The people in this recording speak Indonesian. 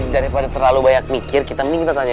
daripada terlalu banyak mikir kita minta tanya